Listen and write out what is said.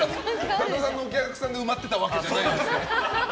神田さんでお客さんが埋まってたわけじゃないです。